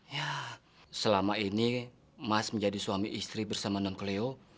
ya selama ini mas menjadi suami istri bersama nonkeleo